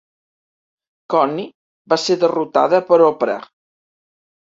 Connie va ser derrotada per l'Oprah.